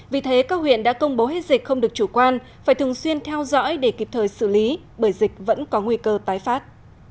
vì thế các huyện đã công bố hết dịch không được chủ quan phải thường xuyên theo dõi để kịp thời xử lý bởi dịch vẫn có nguy cơ tái phát